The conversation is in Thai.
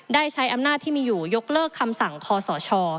ได้ใช้อำนาจที่มีอยู่ยกเลิกคำสั่งคอสช